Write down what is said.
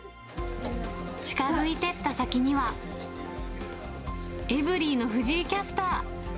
近づいてった先には、エブリィの藤井キャスター。